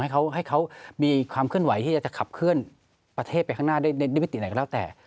ให้เขามีความเคลื่อนไหวที่จะขับเคลื่อนประเทศไปข้างหน้าด้วยวิธีไหนก็แล้วแต่